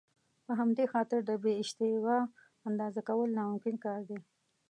په همدې خاطر د بې اشتباه اندازه کول ناممکن کار دی.